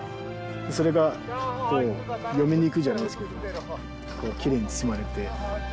それが嫁に行くじゃないですけどきれいに包まれて。